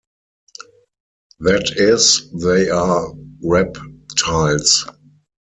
That is, they are rep-tiles.